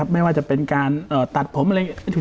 ไม่ว่าจะเป็นการตัดผมอะไรอย่างนี้